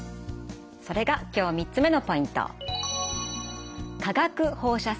それが今日３つ目のポイント。